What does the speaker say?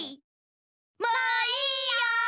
もういいよ！